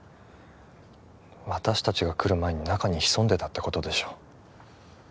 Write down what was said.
私達が来る前に中に潜んでたってことでしょ